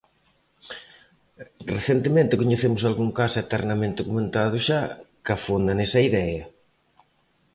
Recentemente coñecemos algún caso eternamente comentado xa que afonda nesa idea.